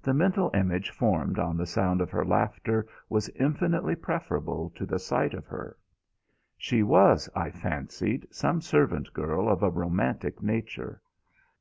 The mental image formed on the sound of her laughter was infinitely preferable to the sight of her. She was, I fancied, some servant girl of a romantic nature.